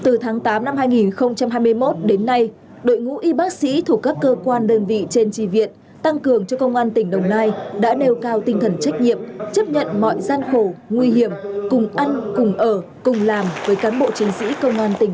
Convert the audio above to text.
từ tháng tám năm hai nghìn hai mươi một đến nay đội ngũ y bác sĩ thuộc các cơ quan đơn vị trên trì viện tăng cường cho công an tỉnh đồng nai đã nêu cao tinh thần trách nhiệm chấp nhận mọi gian khổ nguy hiểm cùng ăn cùng ở cùng làm với cán bộ chiến sĩ công an tỉnh